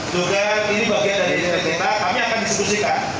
juga ini bagian dari janji kita kami akan disebusikan